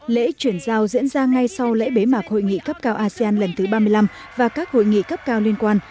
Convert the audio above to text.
lễ chuyển giao diễn ra ngay sau lễ bế mạc hội nghị cấp cao asean lần thứ ba mươi năm và các hội nghị cấp cao liên quan